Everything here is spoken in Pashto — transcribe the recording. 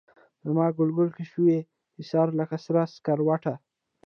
زماګوګل کي شوې ایساره لکه سره سکروټه